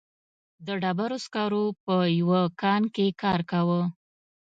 د ډبرو سکرو په یوه کان کې کار کاوه.